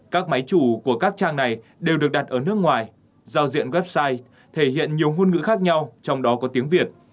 các máy chủ của các trang này đều được đặt ở nước ngoài giao diện website thể hiện nhiều ngôn ngữ khác nhau trong đó có tiếng việt